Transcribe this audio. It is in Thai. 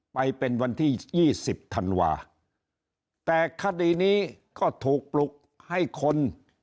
ไปเป็นวันที่ยี่สิบธันวาแต่คดีนี้ก็ถูกปลุกให้คน